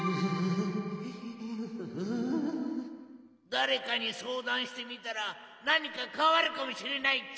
だれかにそうだんしてみたらなにかかわるかもしれないっちゃ。